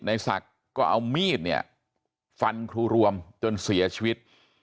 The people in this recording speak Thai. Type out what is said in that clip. ในศักดิ์ก็เอามีดเนี่ยฟันครูรวมจนเสียชีวิต